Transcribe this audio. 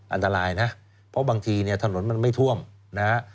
อันตรายนะเพราะบางทีเนี่ยถนนมันไม่ท่วมนะฮะ